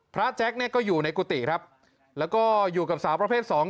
แจ็คเนี่ยก็อยู่ในกุฏิครับแล้วก็อยู่กับสาวประเภทสอง